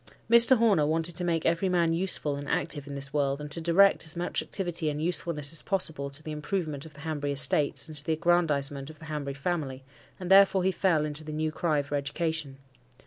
Mr. Horner wanted to make every man useful and active in this world, and to direct as much activity and usefulness as possible to the improvement of the Hanbury estates, and the aggrandisement of the Hanbury family, and therefore he fell into the new cry for education.